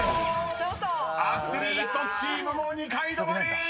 ［アスリートチームも２階止まり！］